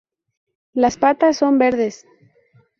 Las patas son verdes.